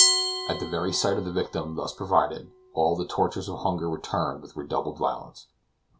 At the very sight of the victim thus provided, all the tortures of hunger returned with redoubled violence.